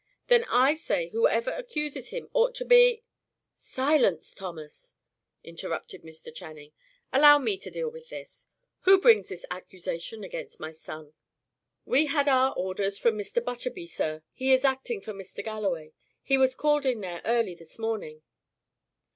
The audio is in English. "Then I say whoever accuses him ought to be " "Silence, Thomas," interrupted Mr. Channing. "Allow me to deal with this. Who brings this accusation against my son?" "We had our orders from Mr. Butterby, sir. He is acting for Mr. Galloway. He was called in there early this morning."